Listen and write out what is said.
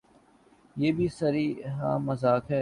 یہ بھی صریحا مذاق ہے۔